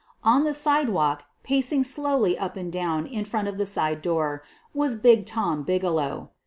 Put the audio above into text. On the sidewalk, pacing slowly up and down in 34 SOPHIE LYONS front of the side door, was "Big Tom" Bigelow.